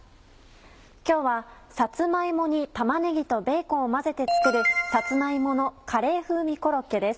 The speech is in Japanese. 今日はさつま芋に玉ねぎとベーコンを混ぜて作る「さつま芋のカレー風味コロッケ」です。